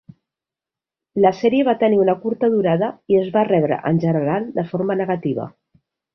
La sèrie va tenir una curta durada i es va rebre, en general, de forma negativa.